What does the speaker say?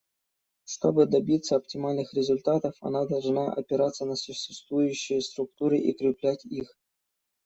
Чтобы добиться оптимальных результатов, она должна опираться на существующие структуры и укреплять их.